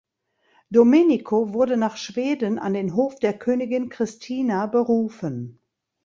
Domenico wurde nach Schweden an den Hof der Königin Christina berufen.